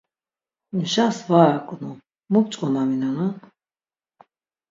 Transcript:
Mjas var aǩnu mu p̌ç̌ǩomaminonan?